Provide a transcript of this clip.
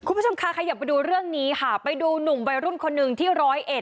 คุณผู้ชมค่ะขยับไปดูเรื่องนี้ค่ะไปดูหนุ่มวัยรุ่นคนหนึ่งที่ร้อยเอ็